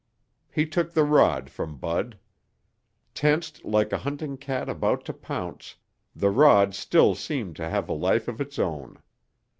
He took the rod from Bud. Tensed like a hunting cat about to pounce, the rod still seemed to have a life of its own.